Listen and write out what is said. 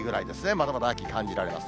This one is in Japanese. まだまだ秋感じられます。